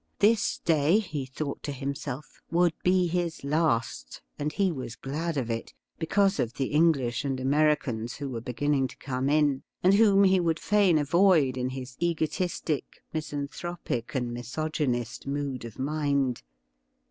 This day, he thought to himself, would be his last, and he was glad of it, because of the English and Americans who were beginning to come in, and whom he would fain avoid in his egotistic, misan thropic, and misogynist mood of mind.